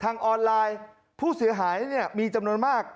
ทางออนไลน์ผู้เสียหายมีจำนวนมาก